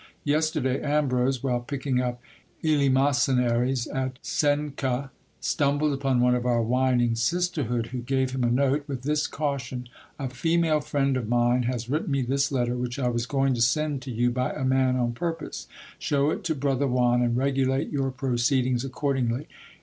Yesterday Ambrose, while picking up eleemosynaries at Cuenca, stumbled upon one of our whining sisterhood, who gave him a note, with this caution : A female friend of mine has written me this letter, which I was going to send to you by a man on pur pose. Shew it to brother Juan, and regulate your proceedings accordingly.